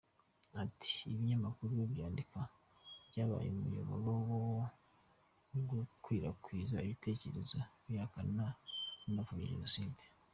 Ati“Ibinyamakuru byandika byabaye umuyoboro wo gukwirakwiza ibitekerezo bihakana bikanapfobya Jenoside.